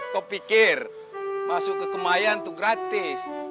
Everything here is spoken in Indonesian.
kau pikir masuk ke kemayan itu gratis